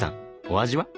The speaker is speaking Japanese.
お味は？